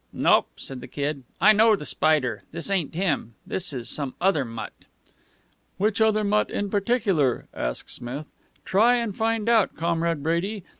"Nope," said the Kid. "I know the Spider. This ain't him. This is some other mutt." "Which other mutt in particular?" asked Smith. "Try and find out, Comrade Brady.